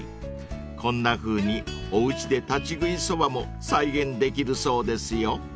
［こんなふうにおうちで立ち食いそばも再現できるそうですよ］